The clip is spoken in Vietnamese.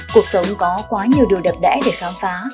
cuộc sống có quá nhiều điều đẹp đẽ để khám phá